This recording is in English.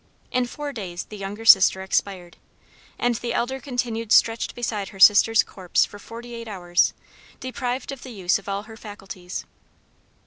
In four days the younger sister expired, and the elder continued stretched beside her sister's corpse for forty eight hours, deprived of the use of all her faculties.